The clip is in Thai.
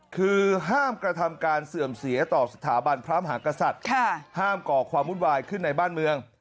คือห้ามกระทำการเสื่อมเสียต่อสถาบันพระมหากษัตริย์ห้ามก่อความวุ่นวายขึ้นในบ้านเมือง